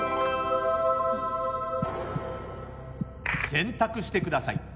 選択してください。